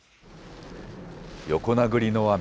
横殴りの雨。